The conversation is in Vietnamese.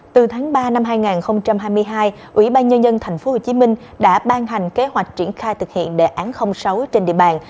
từ tháng ba năm hai nghìn hai mươi hai ủy ban nhân dân tp hcm đã ban hành kế hoạch triển khai thực hiện đề án sáu trên địa bàn